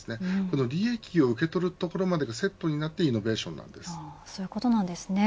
利益を受け取るところまでがセットになってそういうことなんですね